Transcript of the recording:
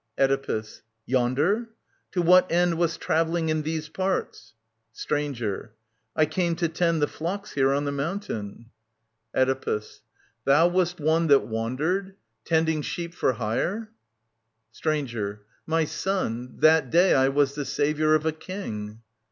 Oedipus. Yonder ? To what end Wast travelling in these parts ? Stranger. I came to tend The flocks here on the moimtain. 59 SOPHOCLES TV. 1029 1037 Oedipus. Thou wast one That wandered, tending sheep for hire ? Stranger. My son, That day I was the saviour of a King.